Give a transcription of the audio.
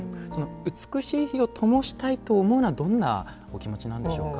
美しい火をともしたいと思うのはどんなお気持ちなんでしょうか？